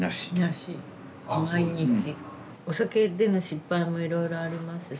お酒での失敗もいろいろありますし。